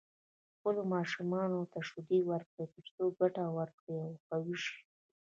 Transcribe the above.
خپلو ماشومانو ته شيدې ورکړئ تر څو ګټه ورکړي او قوي شي.